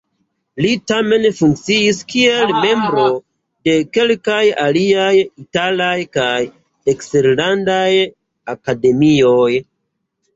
Li tamen funkciis kiel membro de kelkaj aliaj italaj kaj eksterlandaj akademioj.